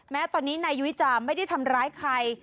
แม้ตอนนี้ในยุวิจาติไม่ได้ทำร้ายใคร